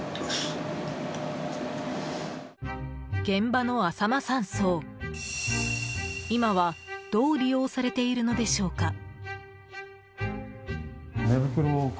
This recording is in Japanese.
現場のあさま山荘、今はどう利用されているのでしょうか。